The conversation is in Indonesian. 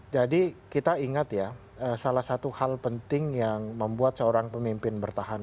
jadi kita ingat ya salah satu hal penting yang membuat seorang pemimpin bertahan